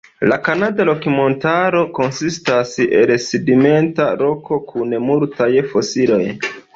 La Kanada Rok-Montaro konsistas el sedimenta roko, kun multaj fosilioj.